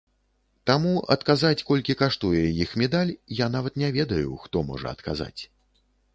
Таму адказаць, колькі каштуе іх медаль, я нават не ведаю, хто можа адказаць.